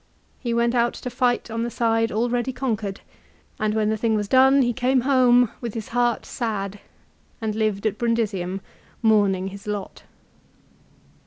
He went out to fight on the side already conquered, and when the thing was done he came home, with his heart sad, and lived at Brundisium, mourning his lot.